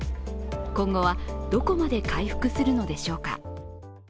今後はどこまで回復するのでしょうか。